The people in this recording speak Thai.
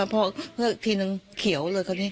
พ่อทีนึงเขียวเลย